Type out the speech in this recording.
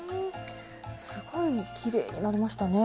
すごいきれいになりましたね！